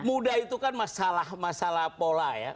muda itu kan masalah masalah pola ya